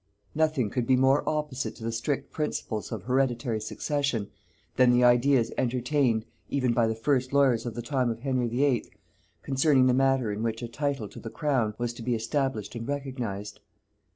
Nothing could be more opposite to the strict principles of hereditary succession than the ideas entertained, even by the first lawyers of the time of Henry VIII., concerning the manner in which a title to the crown was to be established and recognised.